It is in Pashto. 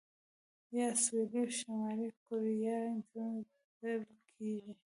یا سوېلي او شمالي کوریا ترمنځ لیدل کېږي.